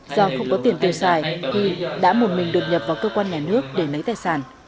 do không có tiền tiêu xài huy đã một mình đột nhập vào cơ quan nhà nước để lấy tài sản